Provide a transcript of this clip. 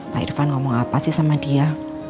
pak irfan ngomong apa sih sama dia